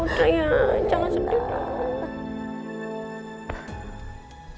udah ya jangan sedih lagi